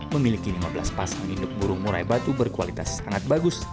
memiliki lima belas pasang induk burung murai batu berkualitas sangat bagus